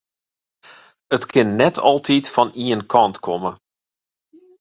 It kin net altyd fan ien kant komme.